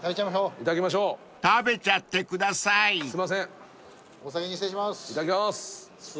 いただきます。